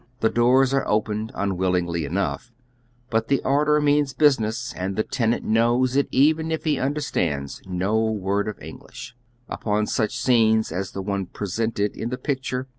The doors are opened imwilliiigly enough — but the order means business, and the tenant knows it even if he mider stands no word of English — upon snch scenes as the one presented in the picture.